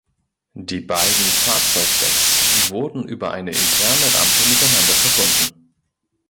Die beiden Fahrzeugdecks wurden über eine interne Rampe miteinander verbunden.